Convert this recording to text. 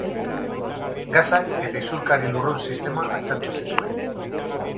Gasak eta isurkari-lurrun sistema aztertu zituen.